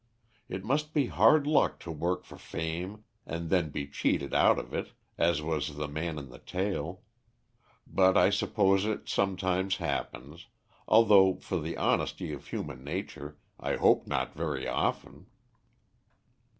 It must be hard luck to work for fame and then be cheated out of it, as was the man in the tale; but I suppose it sometimes happens, although, for the honesty of human nature, I hope not very often."